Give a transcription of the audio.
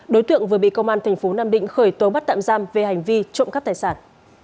đối tượng vừa bị công an thành phố nam định khởi tố bắt tạm giam về hành vi trộm cắp tài sản